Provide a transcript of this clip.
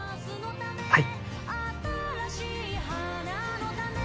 はい！